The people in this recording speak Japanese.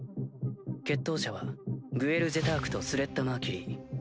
決闘者はグエル・ジェタークとスレッタ・マーキュリー。